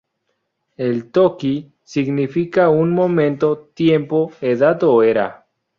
El ""Toki"" significa un ""momento, tiempo, edad o era"".